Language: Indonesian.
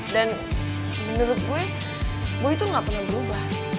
dan menurut gue boy itu gak pernah berubah